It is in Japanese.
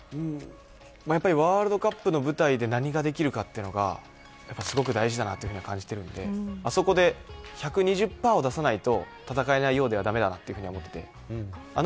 じゃあ４年間というのはやっぱりワールドカップの舞台で何ができるかというのがすごく大事だなと感じてるんでそこで１２０パーを出さないと戦えないようでは駄目だなと思って。